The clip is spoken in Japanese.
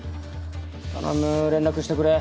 頼む連絡してくれ。